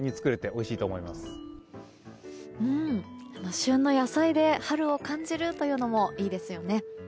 旬の野菜で春を感じるのもいいですよね。